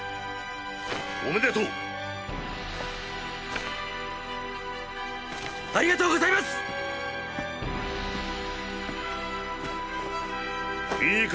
おめでとうありがとうございますいいか